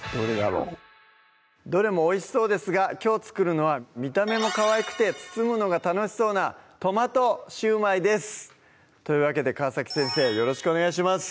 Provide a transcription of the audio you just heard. どれもおいしそうですがきょう作るのは見た目もかわいくて包むのが楽しそうな「トマト焼売」ですというわけで川先生よろしくお願いします